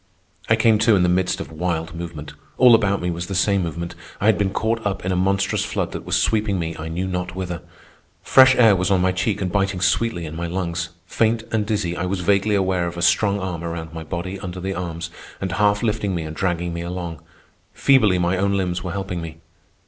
I came to in the midst of wild movement. All about me was the same movement. I had been caught up in a monstrous flood that was sweeping me I knew not whither. Fresh air was on my cheek and biting sweetly in my lungs. Faint and dizzy, I was vaguely aware of a strong arm around my body under the arms, and half lifting me and dragging me along. Feebly my own limbs were helping me.